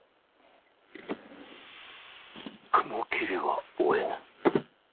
雲霧は追えぬ。